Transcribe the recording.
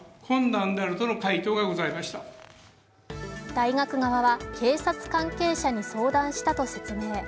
大学側は警察関係者に相談したと説明。